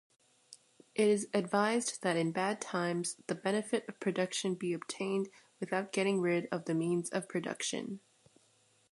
It is advised that in bad times the benefit of production be obtained without getting rid of the means of production.